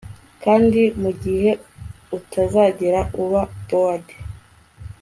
kandi mugihe utazigera uba bard